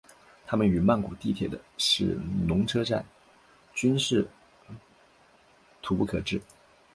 它们与曼谷地铁的是隆车站均是徙步可至。